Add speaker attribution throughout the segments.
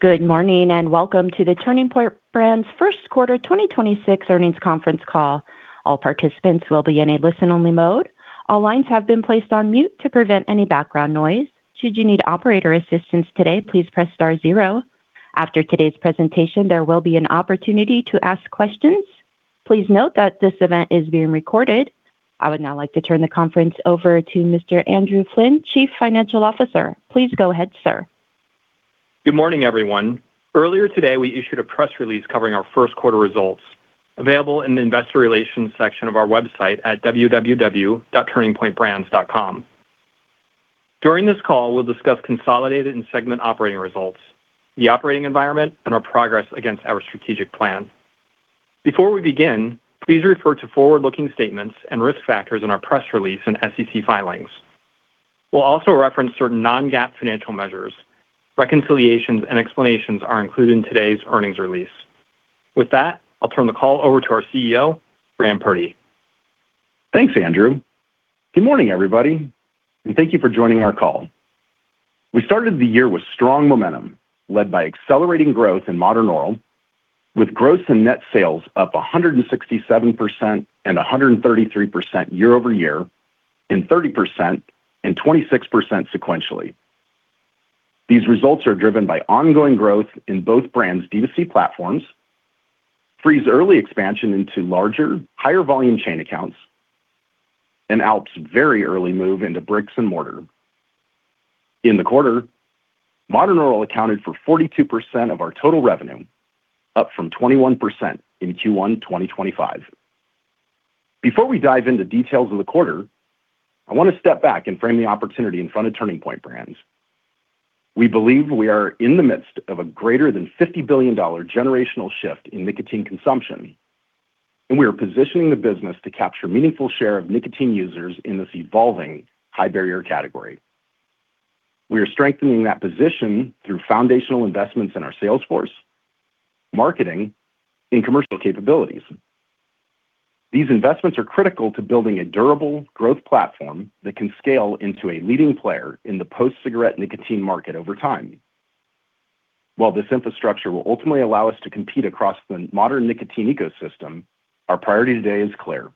Speaker 1: Good morning, welcome to the Turning Point Brands first quarter 2026 earnings conference call. All participants will be in a listen-only mode. All lines have been placed on mute to prevent any background noise. Should you need operator assistance today, please press star zero. After today's presentation, there will be an opportunity to ask questions. Please note that this event is being recorded. I would now like to turn the conference over to Mr. Andrew Flynn, Chief Financial Officer. Please go ahead, sir.
Speaker 2: Good morning, everyone. Earlier today, we issued a press release covering our first quarter results, available in the investor relations section of our website at www.turningpointbrands.com. During this call, we'll discuss consolidated and segment operating results, the operating environment, and our progress against our strategic plan. Before we begin, please refer to forward-looking statements and risk factors in our press release and SEC filings. We'll also reference certain non-GAAP financial measures. Reconciliations and explanations are included in today's earnings release. With that, I'll turn the call over to our CEO, Graham Purdy.
Speaker 3: Thanks, Andrew. Good morning, everybody, and thank you for joining our call. We started the year with strong momentum led by accelerating growth in Modern Oral, with gross and net sales up 167% and 133% year-over-year and 30% and 26% sequentially. These results are driven by ongoing growth in both brands' D2C platforms, FRE's early expansion into larger, higher volume chain accounts, and ALP's very early move into bricks and mortar. In the quarter, Modern Oral accounted for 42% of our total revenue, up from 21% in Q1 2025. Before we dive into details of the quarter, I want to step back and frame the opportunity in front of Turning Point Brands. We believe we are in the midst of a greater than $50 billion generational shift in nicotine consumption, and we are positioning the business to capture a meaningful share of nicotine users in this evolving high-barrier category. We are strengthening that position through foundational investments in our sales force, marketing, and commercial capabilities. These investments are critical to building a durable growth platform that can scale into a leading player in the post-cigarette nicotine market over time. While this infrastructure will ultimately allow us to compete across the modern nicotine ecosystem, our priority today is clear: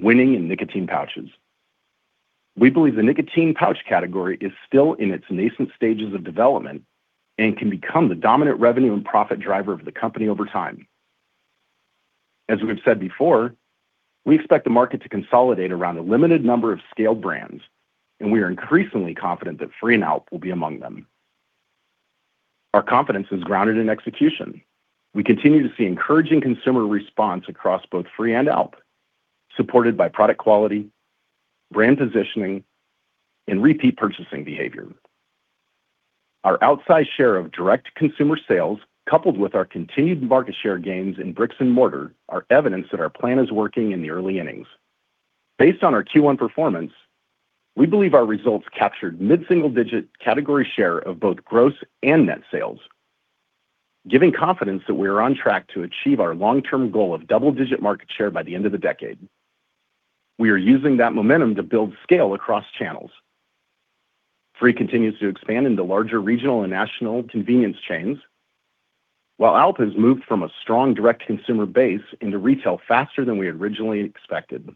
Speaker 3: winning in nicotine pouches. We believe the nicotine pouch category is still in its nascent stages of development and can become the dominant revenue and profit driver of the company over time. As we've said before, we expect the market to consolidate around a limited number of scaled brands, and we are increasingly confident that FRE and ALP will be among them. Our confidence is grounded in execution. We continue to see encouraging consumer response across both FRE and ALP, supported by product quality, brand positioning, and repeat purchasing behavior. Our outsized share of direct-to-consumer sales, coupled with our continued market share gains in bricks and mortar, are evidence that our plan is working in the early innings. Based on our Q1 performance, we believe our results captured mid-single-digit category share of both gross and net sales, giving confidence that we are on track to achieve our long-term goal of double-digit market share by the end of the decade. We are using that momentum to build scale across channels. FRE continues to expand into larger regional and national convenience chains, while ALP has moved from a strong direct-to-consumer base into retail faster than we originally expected.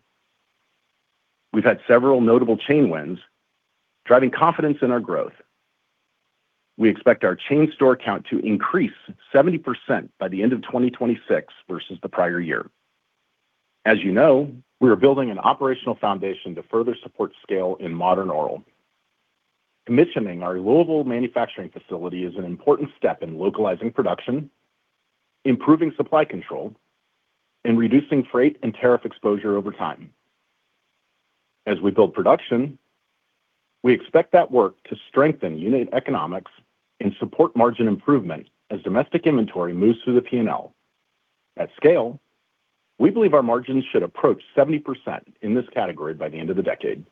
Speaker 3: We've had several notable chain wins, driving confidence in our growth. We expect our chain store count to increase 70% by the end of 2026 versus the prior year. As you know, we are building an operational foundation to further support scale in Modern Oral. Commissioning our Louisville manufacturing facility is an important step in localizing production, improving supply control, and reducing freight and tariff exposure over time. As we build production, we expect that work to strengthen unit economics and support margin improvement as domestic inventory moves through the P&L. At scale, we believe our margins should approach 70% in this category by the end of the decade.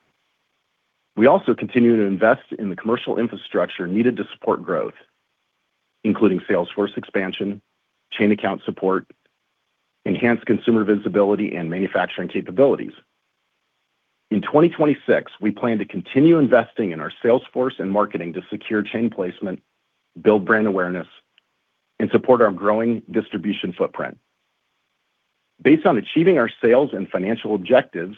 Speaker 3: We also continue to invest in the commercial infrastructure needed to support growth, including sales force expansion, chain account support, enhanced consumer visibility, and manufacturing capabilities. In 2026, we plan to continue investing in our sales force and marketing to secure chain placement, build brand awareness, and support our growing distribution footprint. Based on achieving our sales and financial objectives,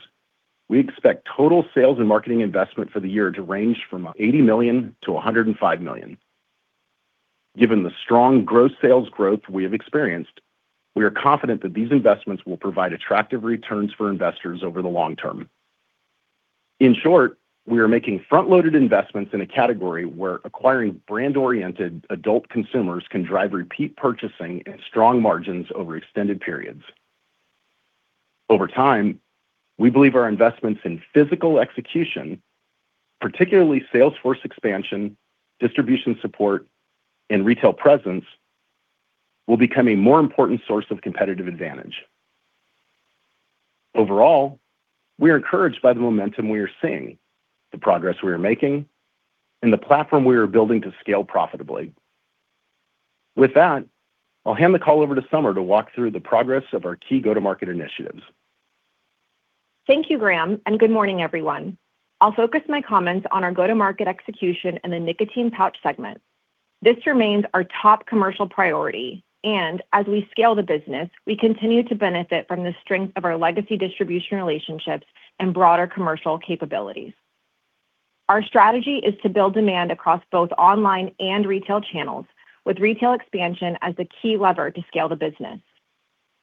Speaker 3: we expect total sales and marketing investment for the year to range from $80 million-$105 million. Given the strong gross sales growth we have experienced, we are confident that these investments will provide attractive returns for investors over the long term. In short, we are making front-loaded investments in a category where acquiring brand-oriented adult consumers can drive repeat purchasing and strong margins over extended periods. Over time, we believe our investments in physical execution, particularly sales force expansion, distribution support, and retail presence, will become a more important source of competitive advantage. Overall, we are encouraged by the momentum we are seeing, the progress we are making, and the platform we are building to scale profitably. With that, I'll hand the call over to Summer to walk through the progress of our key go-to-market initiatives.
Speaker 4: Thank you, Graham, and good morning, everyone. I'll focus my comments on our go-to-market execution in the nicotine pouch segment. This remains our top commercial priority, and as we scale the business, we continue to benefit from the strength of our legacy distribution relationships and broader commercial capabilities. Our strategy is to build demand across both online and retail channels, with retail expansion as the key lever to scale the business.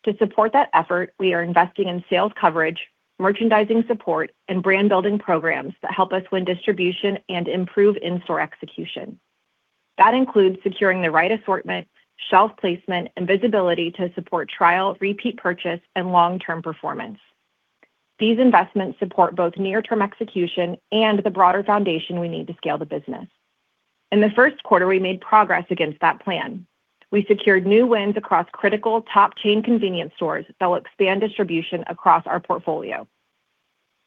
Speaker 4: To support that effort, we are investing in sales coverage, merchandising support, and brand-building programs that help us win distribution and improve in-store execution. That includes securing the right assortment, shelf placement, and visibility to support trial, repeat purchase, and long-term performance. These investments support both near-term execution and the broader foundation we need to scale the business. In the first quarter, we made progress against that plan. We secured new wins across critical top chain convenience stores that will expand distribution across our portfolio.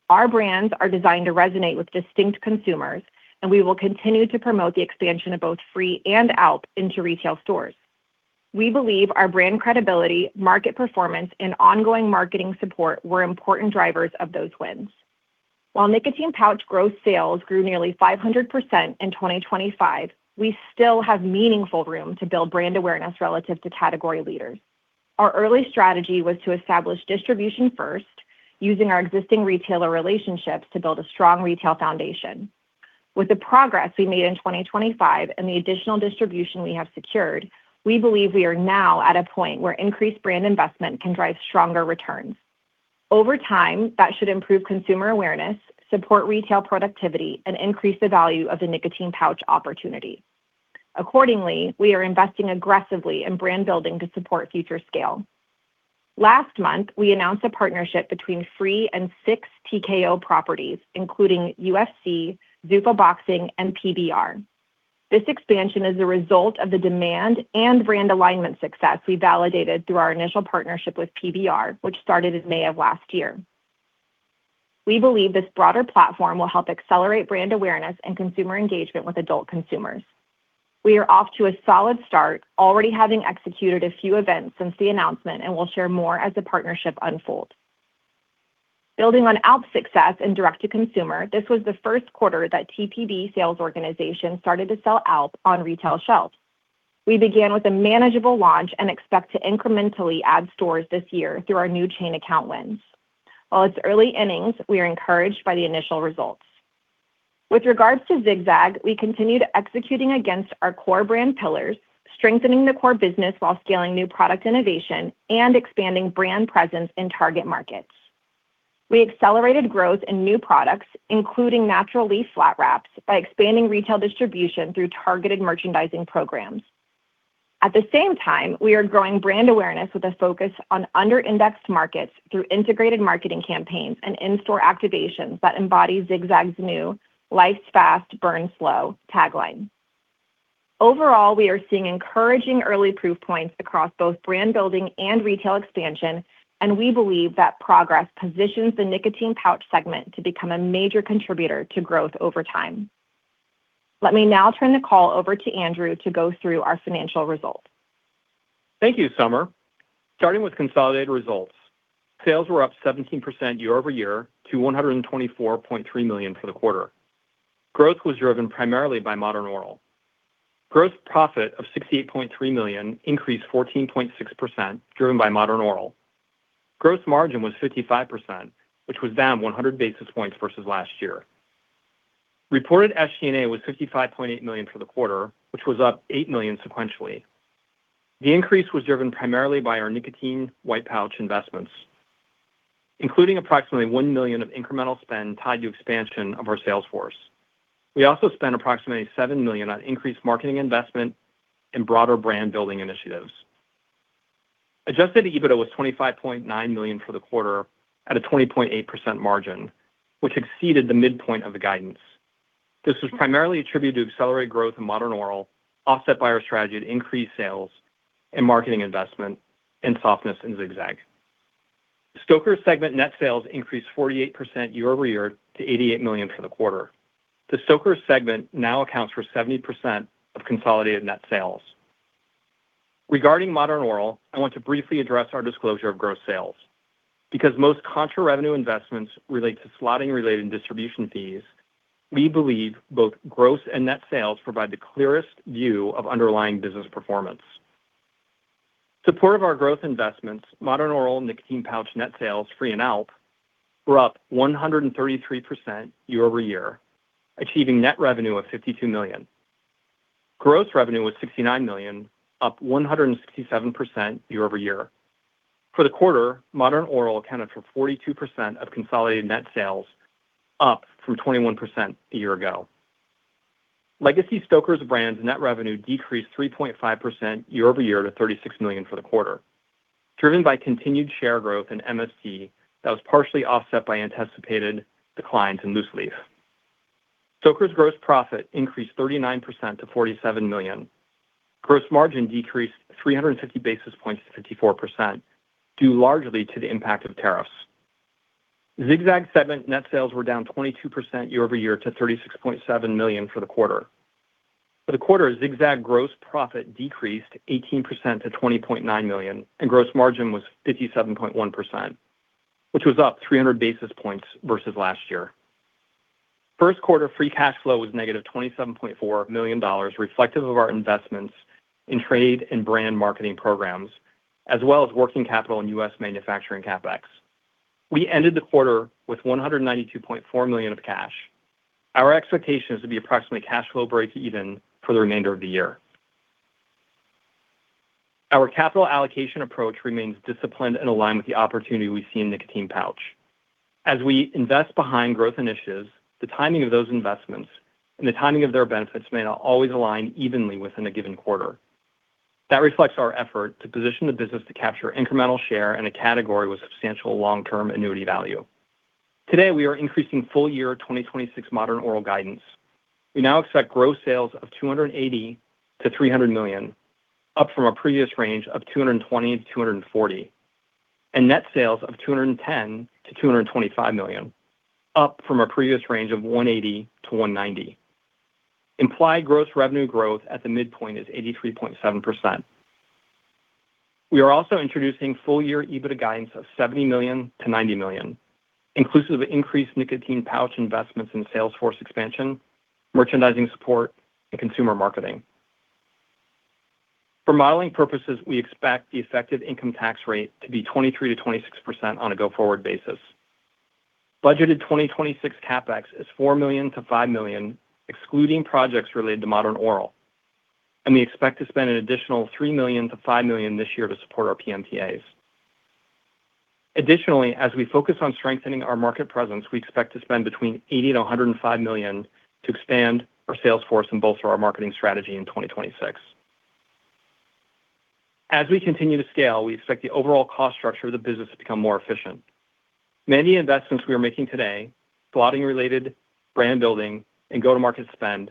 Speaker 4: Our brands are designed to resonate with distinct consumers, and we will continue to promote the expansion of both FRE and ALP into retail stores. We believe our brand credibility, market performance, and ongoing marketing support were important drivers of those wins. While nicotine pouch growth sales grew nearly 500% in 2025, we still have meaningful room to build brand awareness relative to category leaders. Our early strategy was to establish distribution first, using our existing retailer relationships to build a strong retail foundation. With the progress we made in 2025 and the additional distribution we have secured, we believe we are now at a point where increased brand investment can drive stronger returns. Over time, that should improve consumer awareness, support retail productivity, and increase the value of the nicotine pouch opportunity. Accordingly, we are investing aggressively in brand building to support future scale. Last month, we announced a partnership between FRE and six TKO properties, including UFC, Zuffa Boxing, and PBR. This expansion is a result of the demand and brand alignment success we validated through our initial partnership with PBR, which started in May of last year. We believe this broader platform will help accelerate brand awareness and consumer engagement with adult consumers. We are off to a solid start already having executed a few events since the announcement, and we'll share more as the partnership unfolds. Building on ALP's success in direct-to-consumer, this was the first quarter that TPB sales organization started to sell ALP on retail shelves. We began with a manageable launch and expect to incrementally add stores this year through our new chain account wins. While it's early innings, we are encouraged by the initial results. With regards to Zig-Zag, we continued executing against our core brand pillars, strengthening the core business while scaling new product innovation and expanding brand presence in target markets. We accelerated growth in new products, including Natural Leaf Flat Wraps, by expanding retail distribution through targeted merchandising programs. At the same time, we are growing brand awareness with a focus on under-indexed markets through integrated marketing campaigns and in-store activations that embody Zig-Zag's new Life's Fast, Burn Slow tagline. Overall, we are seeing encouraging early proof points across both brand building and retail expansion, and we believe that progress positions the nicotine pouch segment to become a major contributor to growth over time. Let me now turn the call over to Andrew to go through our financial results.
Speaker 2: Thank you, Summer. Starting with consolidated results, sales were up 17% year-over-year to $124.3 million for the quarter. Growth was driven primarily by Modern Oral. Gross profit of $68.3 million increased 14.6%, driven by Modern Oral. Gross margin was 55%, which was down 100 basis points versus last year. Reported SG&A was $55.8 million for the quarter, which was up $8 million sequentially. The increase was driven primarily by our nicotine white pouch investments, including approximately $1 million of incremental spend tied to expansion of our sales force. We also spent approximately $7 million on increased marketing investment and broader brand-building initiatives. Adjusted EBITDA was $25.9 million for the quarter at a 20.8% margin, which exceeded the midpoint of the guidance. This was primarily attributed to accelerated growth in Modern Oral, offset by our strategy to increase sales and marketing investment and softness in Zig-Zag. Stoker's segment net sales increased 48% year-over-year to $88 million for the quarter. The Stoker's segment now accounts for 70% of consolidated net sales. Regarding Modern Oral, I want to briefly address our disclosure of gross sales. Because most contra revenue investments relate to slotting-related distribution fees, we believe both gross and net sales provide the clearest view of underlying business performance. Support of our growth investments, Modern Oral nicotine pouch net sales, FRE and ALP, were up 133% year-over-year, achieving net revenue of $52 million. Gross revenue was $69 million, up 167% year-over-year. For the quarter, Modern Oral accounted for 42% of consolidated net sales, up from 21% a year ago. Legacy Stoker's brands net revenue decreased 3.5% year-over-year to $36 million for the quarter, driven by continued share growth in MST that was partially offset by anticipated declines in loose leaf. Stoker's gross profit increased 39% to $47 million. Gross margin decreased 350 basis points to 54%, due largely to the impact of tariffs. Zig-Zag segment net sales were down 22% year-over-year to $36.7 million for the quarter. For the quarter, Zig-Zag gross profit decreased 18% to $20.9 million, and gross margin was 57.1%, which was up 300 basis points versus last year. First quarter free cash flow was -$27.4 million, reflective of our investments in trade and brand marketing programs, as well as working capital and U.S. manufacturing CapEx. We ended the quarter with $192.4 million of cash. Our expectation is to be approximately cash flow breakeven for the remainder of the year. Our capital allocation approach remains disciplined and aligned with the opportunity we see in nicotine pouch. As we invest behind growth initiatives, the timing of those investments and the timing of their benefits may not always align evenly within a given quarter. That reflects our effort to position the business to capture incremental share in a category with substantial long-term annuity value. Today, we are increasing full-year 2026 Modern Oral guidance. We now expect gross sales of $280 million-$300 million, up from a previous range of $220 million-$240 million, and net sales of $210 million-$225 million, up from a previous range of $180 million-$190 million. Implied gross revenue growth at the midpoint is 83.7%. We are also introducing full-year EBITDA guidance of $70 million-$90 million, inclusive of increased nicotine pouch investments in salesforce expansion, merchandising support, and consumer marketing. For modeling purposes, we expect the effective income tax rate to be 23%-26% on a go-forward basis. Budgeted 2026 CapEx is $4 million-$5 million, excluding projects related to Modern Oral, and we expect to spend an additional $3 million-$5 million this year to support our PMTAs. Additionally, as we focus on strengthening our market presence, we expect to spend between $80 million-$105 million to expand our salesforce and bolster our marketing strategy in 2026. As we continue to scale, we expect the overall cost structure of the business to become more efficient. Many investments we are making today, slotting-related brand building and go-to-market spend,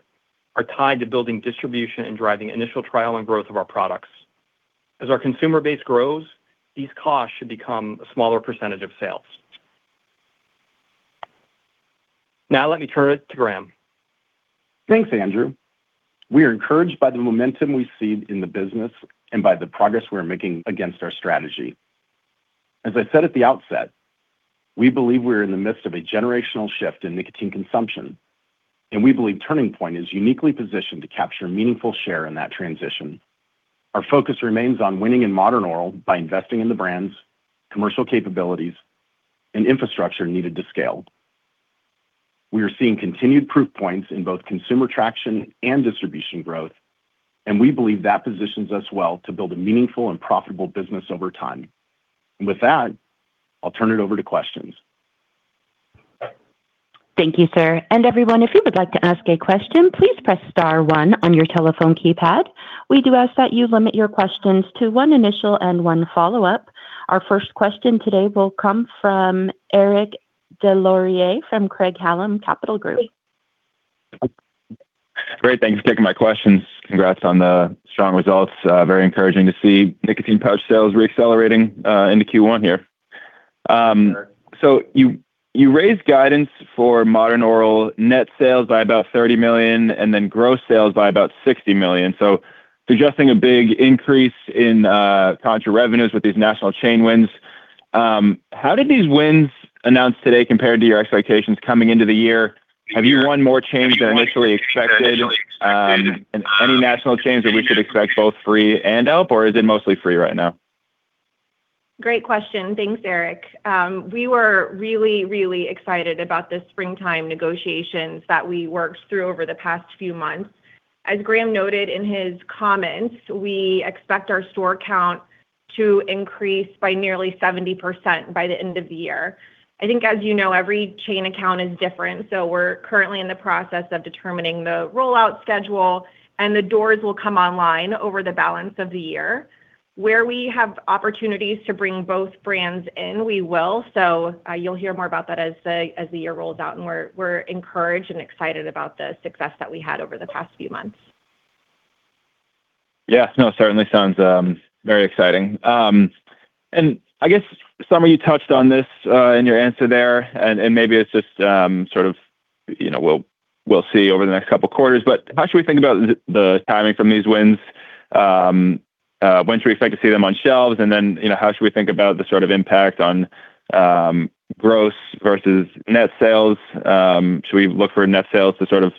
Speaker 2: are tied to building distribution and driving initial trial and growth of our products. As our consumer base grows, these costs should become a smaller percent of sales. Now, let me turn it to Graham.
Speaker 3: Thanks, Andrew. We are encouraged by the momentum we see in the business and by the progress we are making against our strategy. As I said at the outset, we believe we're in the midst of a generational shift in nicotine consumption, and we believe Turning Point is uniquely positioned to capture meaningful share in that transition. Our focus remains on winning in Modern Oral by investing in the brands, commercial capabilities, and infrastructure needed to scale. We are seeing continued proof points in both consumer traction and distribution growth, and we believe that positions us well to build a meaningful and profitable business over time. With that, I'll turn it over to questions.
Speaker 1: Thank you, sir. Everyone, if you would like to ask a question, please press star one on your telephone keypad. We do ask that you limit your questions to one initial and one follow-up. Our first question today will come from Eric Des Lauriers from Craig-Hallum Capital Group.
Speaker 5: Great. Thanks for taking my questions. Congrats on the strong results. Very encouraging to see nicotine pouch sales reaccelerating into Q1 here. You raised guidance for Modern Oral net sales by about $30 million and then gross sales by about $60 million. Suggesting a big increase in contra revenues with these national chain wins. How did these wins announced today compare to your expectations coming into the year? Have you won more chains than initially expected? Any national chains that we should expect both FRE and ALP, or is it mostly FRE right now?
Speaker 4: Great question. Thanks, Eric. We were really, really excited about the springtime negotiations that we worked through over the past few months. As Graham noted in his comments, we expect our store count to increase by nearly 70% by the end of the year. I think, as you know, every chain account is different, so we're currently in the process of determining the rollout schedule, and the doors will come online over the balance of the year. Where we have opportunities to bring both brands in, we will. You'll hear more about that as the year rolls out, and we're encouraged and excited about the success that we had over the past few months.
Speaker 5: Yeah. No, certainly sounds very exciting. I guess, Summer, you touched on this in your answer there, and maybe it's just, you know, we'll see over the next couple of quarters. How should we think about the timing from these wins? When should we expect to see them on shelves? You know, how should we think about the sort of impact on gross versus net sales? Should we look for net sales to sort of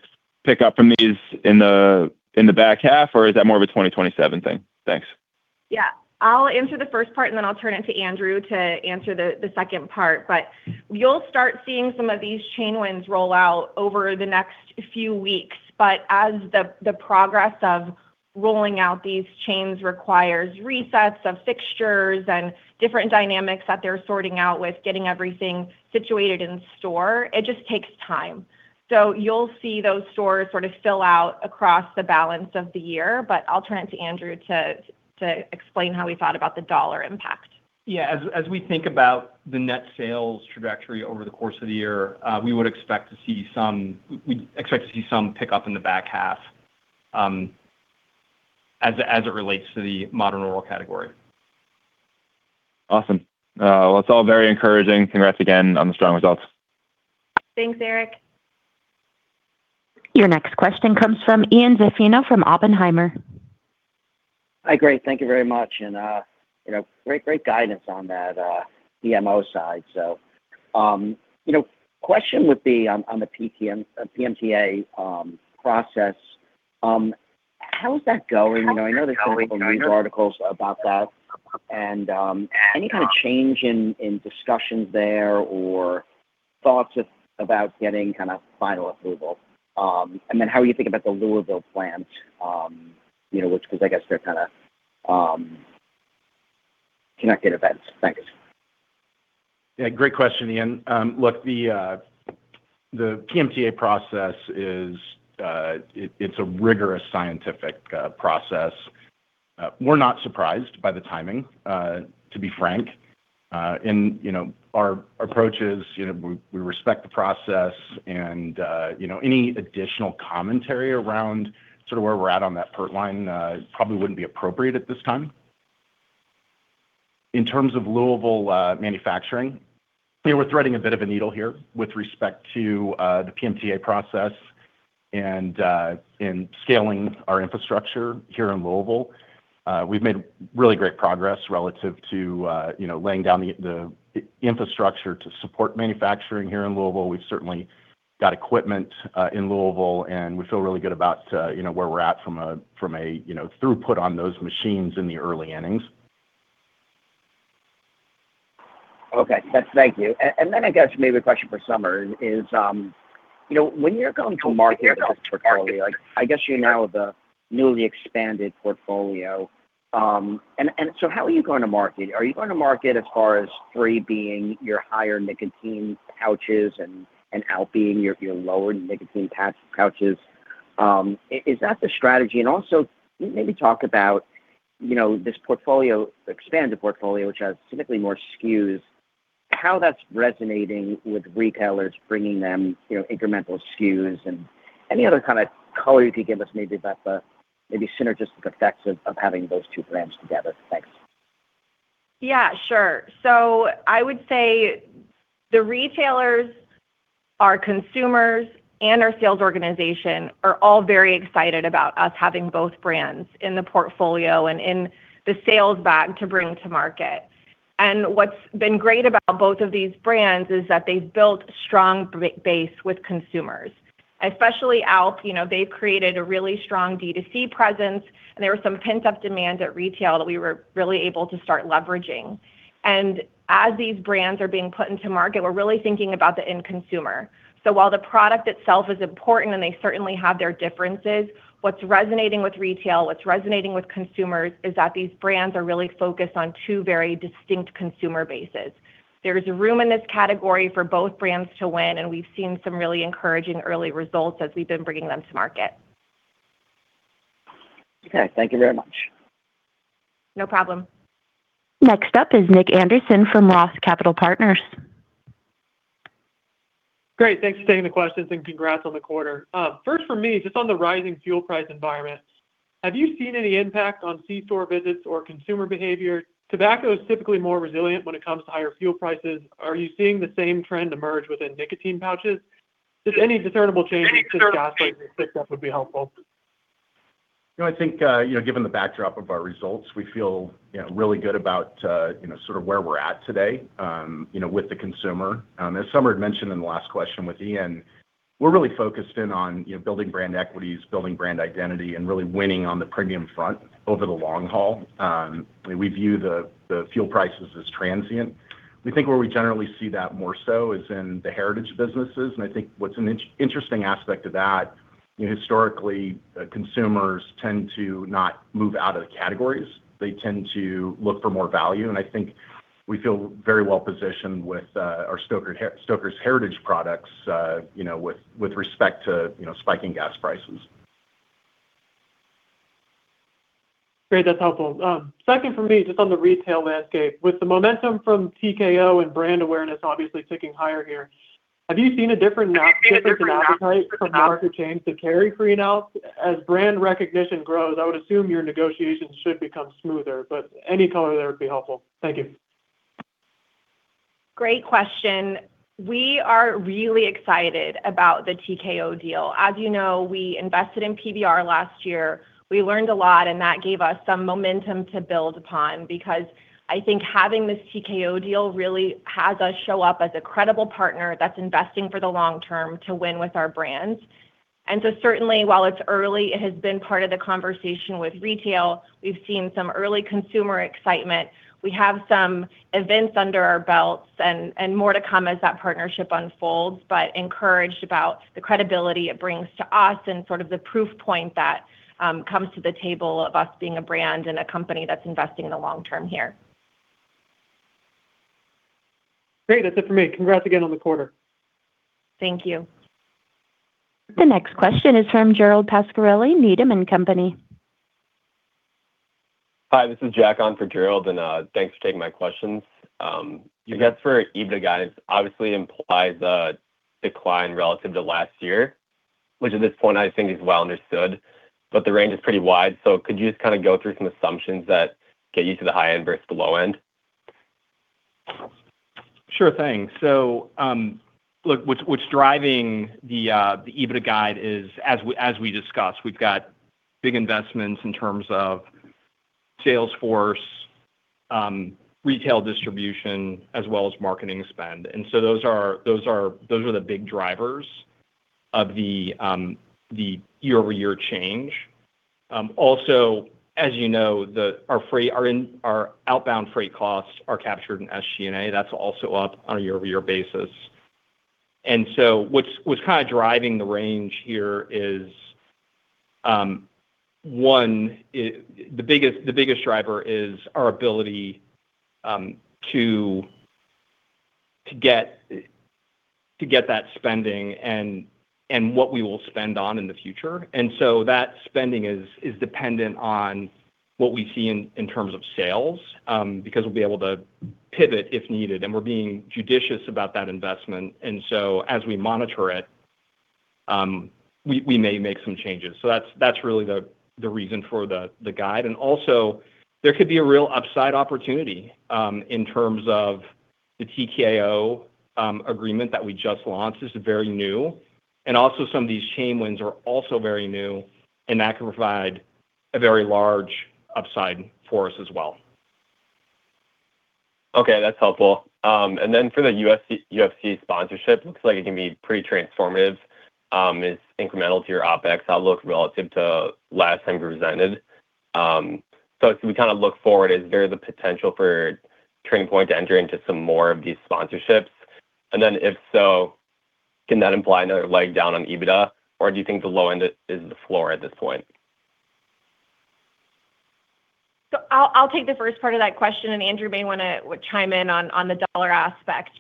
Speaker 5: pick up from these in the back half, or is that more of a 2027 thing? Thanks.
Speaker 4: Yeah. I'll answer the first part, and then I'll turn it to Andrew to answer the second part. You'll start seeing some of these chain wins roll out over the next few weeks. As the progress of rolling out these chains requires resets of fixtures and different dynamics that they're sorting out with getting everything situated in store, it just takes time. You'll see those stores sort of fill out across the balance of the year. I'll turn it to Andrew to explain how we thought about the dollar impact.
Speaker 2: Yeah. As we think about the net sales trajectory over the course of the year, we'd expect to see some pickup in the back half, as it relates to the Modern Oral category.
Speaker 5: Awesome. Well, it's all very encouraging. Congrats again on the strong results.
Speaker 4: Thanks, Eric.
Speaker 1: Your next question comes from Ian Zaffino from Oppenheimer.
Speaker 6: Hi, great. Thank you very much. You know, great guidance on that MO side. You know, question would be on the PMTA process. How is that going? You know, I know there's been a couple news articles about that. Any kind of change in discussions there or thoughts about getting kind of final approval? How are you thinking about the Louisville plant, you know, which because I guess they're kind of connected events. Thanks.
Speaker 3: Yeah, great question, Ian. Look, the PMTA process is, it's a rigorous scientific process. We're not surprised by the timing, to be frank. You know, our approach is, you know, we respect the process and, you know, any additional commentary around sort of where we're at on that timeline, probably wouldn't be appropriate at this time. In terms of Louisville, manufacturing, you know, we're threading a bit of a needle here with respect to the PMTA process and in scaling our infrastructure here in Louisville. We've made really great progress relative to, you know, laying down the infrastructure to support manufacturing here in Louisville. We've certainly got equipment, in Louisville, and we feel really good about, you know, where we're at from a, from a, you know, throughput on those machines in the early innings.
Speaker 6: Okay. That's Thank you. Then I guess maybe a question for Summer is, you know, when you're going to market this portfolio, like, I guess you now have the newly expanded portfolio. How are you going to market? Are you going to market as far as FRE being your higher nicotine pouches and ALP being your lower nicotine pouches? Is that the strategy? Also, maybe talk about, you know, this portfolio, expanded portfolio which has significantly more SKUs, how that's resonating with retailers, bringing them, you know, incremental SKUs, and any other kind of color you can give us maybe about the synergistic effects of having those two brands together. Thanks.
Speaker 4: Yeah, sure. I would say the retailers are consumers, and our sales organization are all very excited about us having both brands in the portfolio and in the sales bag to bring to market. What's been great about both of these brands is that they've built strong base with consumers, especially ALP. You know, they've created a really strong D2C presence, and there was some pent-up demand at retail that we were really able to start leveraging. As these brands are being put into market, we're really thinking about the end consumer. While the product itself is important, and they certainly have their differences, what's resonating with retail, what's resonating with consumers, is that these brands are really focused on two very distinct consumer bases. There's room in this category for both brands to win, and we've seen some really encouraging early results as we've been bringing them to market.
Speaker 6: Okay. Thank you very much.
Speaker 4: No problem.
Speaker 1: Next up is Nick Anderson from Roth Capital Partners.
Speaker 7: Great. Thanks for taking the questions, and congrats on the quarter. First for me, just on the rising fuel price environment, have you seen any impact on C-store visits or consumer behavior? Tobacco is typically more resilient when it comes to higher fuel prices. Are you seeing the same trend emerge within nicotine pouches? Just any discernible changes to gas prices, that would be helpful.
Speaker 3: You know, I think, you know, given the backdrop of our results, we feel, you know, really good about, you know, sort of where we're at today, you know, with the consumer. As Summer had mentioned in the last question with Ian, we're really focused in on, you know, building brand equities, building brand identity, and really winning on the premium front over the long haul. We view the fuel prices as transient. We think where we generally see that more so is in the heritage businesses, I think what's an interesting aspect of that, you know, historically, consumers tend to not move out of the categories. They tend to look for more value, I think we feel very well-positioned with our Stoker's heritage products, you know, with respect to, you know, spiking gas prices.
Speaker 7: Great. That's helpful. Second for me, just on the retail landscape, with the momentum from TKO and brand awareness obviously ticking higher here, have you seen a difference in appetite from market chains to carry for you now? As brand recognition grows, I would assume your negotiations should become smoother, but any color there would be helpful. Thank you.
Speaker 4: Great question. We are really excited about the TKO deal. As you know, we invested in PBR last year. We learned a lot. That gave us some momentum to build upon because I think having this TKO deal really has us show up as a credible partner that's investing for the long term to win with our brands. Certainly, while it's early, it has been part of the conversation with retail. We've seen some early consumer excitement. We have some events under our belts and more to come as that partnership unfolds. Encouraged about the credibility it brings to us and sort of the proof point that comes to the table of us being a brand and a company that's investing in the long term here.
Speaker 7: Great. That's it for me. Congrats again on the quarter.
Speaker 4: Thank you.
Speaker 1: The next question is from Gerald Pascarelli, Needham & Company.
Speaker 8: Hi, this is Jack on for Gerald, thanks for taking my questions. I guess for EBITDA guidance, obviously implies a decline relative to last year. Which at this point I think is well understood, but the range is pretty wide. Could you just kinda go through some assumptions that get you to the high end versus the low end?
Speaker 2: Sure thing. Look, what's driving the EBITDA guide is, as we discussed, we've got big investments in terms of sales force, retail distribution, as well as marketing spend. Those are the big drivers of the year-over-year change. Also, as you know, our outbound freight costs are captured in SG&A. That's also up on a year-over-year basis. What's kind of driving the range here is, one, it, the biggest driver is our ability to get that spending and what we will spend on in the future. That spending is dependent on what we see in terms of sales, because we'll be able to pivot if needed, and we're being judicious about that investment. As we monitor it, we may make some changes. That's really the reason for the guide. There could be a real upside opportunity in terms of the TKO agreement that we just launched. This is very new. Some of these chain wins are also very new, and that could provide a very large upside for us as well.
Speaker 8: Okay, that's helpful. For the UFC sponsorship, looks like it can be pretty transformative. It's incremental to your OpEx outlook relative to last time you presented. As we kinda look forward, is there the potential for Turning Point to enter into some more of these sponsorships? If so, can that imply another leg down on EBITDA, or do you think the low end is the floor at this point?
Speaker 4: I'll take the first part of that question, and Andrew may wanna chime in on the dollar aspect.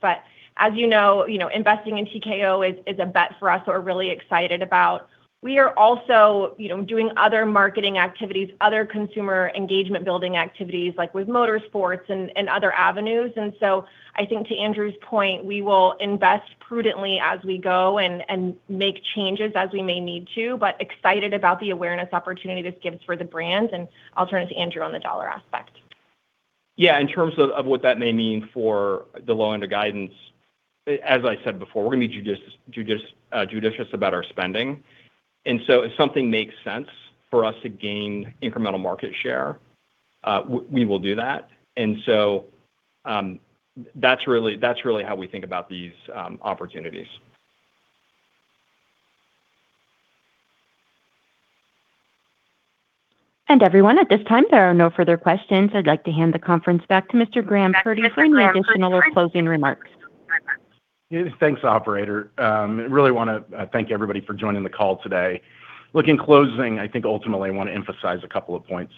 Speaker 4: As you know, investing in TKO is a bet for us that we're really excited about. We are also, you know, doing other marketing activities, other consumer engagement building activities, like with motorsports and other avenues. I think to Andrew's point, we will invest prudently as we go and make changes as we may need to. Excited about the awareness opportunity this gives for the brand, and I'll turn it to Andrew on the dollar aspect.
Speaker 2: Yeah, in terms of what that may mean for the low end of guidance, as I said before, we're gonna be judicious about our spending. If something makes sense for us to gain incremental market share, we will do that. That's really how we think about these opportunities.
Speaker 1: Everyone, at this time, there are no further questions. I'd like to hand the conference back to Mr. Graham Purdy for any additional or closing remarks.
Speaker 3: Thanks, operator. Really wanna thank everybody for joining the call today. Look, in closing, I think ultimately I wanna emphasize a couple of points,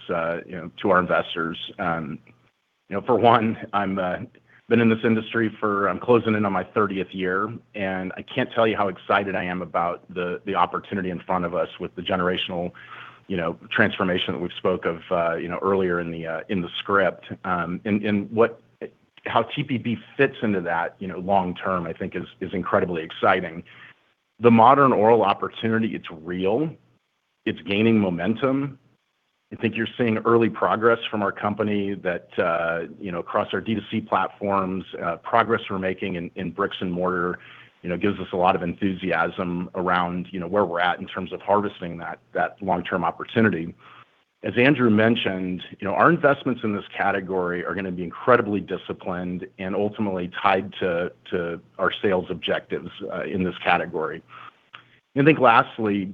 Speaker 3: you know, to our investors. You know, for one, I'm been in this industry for, I'm closing in on my 30th year, and I can't tell you how excited I am about the opportunity in front of us with the generational, you know, transformation that we've spoke of, you know, earlier in the, in the script. And what, how TPB fits into that, you know, long term, I think is incredibly exciting. The Modern Oral opportunity, it's real, it's gaining momentum. I think you're seeing early progress from our company that, you know, across our D2C platforms, progress we're making in bricks and mortar, you know, gives us a lot of enthusiasm around, you know, where we're at in terms of harvesting that long-term opportunity. As Andrew mentioned, you know, our investments in this category are gonna be incredibly disciplined and ultimately tied to our sales objectives in this category. I think lastly,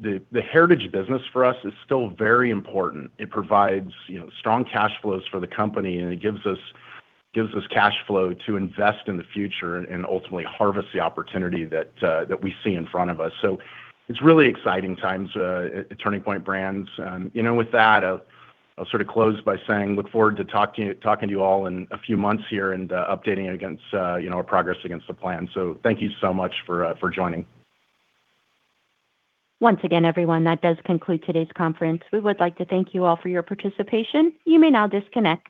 Speaker 3: the heritage business for us is still very important. It provides, you know, strong cash flows for the company, and it gives us cash flow to invest in the future and ultimately harvest the opportunity that we see in front of us. It's really exciting times at Turning Point Brands. You know, with that, I'll sorta close by saying look forward to talk to you, talking to you all in a few months here and updating against, you know, our progress against the plan. Thank you so much for joining.
Speaker 1: Once again, everyone, that does conclude today's conference. We would like to thank you all for your participation. You may now disconnect.